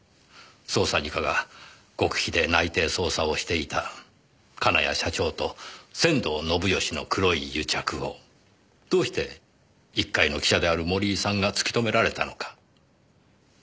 捜査二課が極秘で内偵捜査をしていた金谷社長と仙道信義の黒い癒着をどうして一介の記者である森井さんが突き止められたのか。